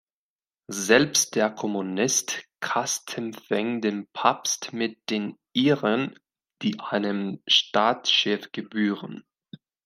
Selbst der Kommunist Castempfing den Papst mit den Ehren, die einem Staatschef gebühren.